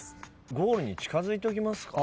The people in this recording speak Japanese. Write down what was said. ゴールに近づいときます？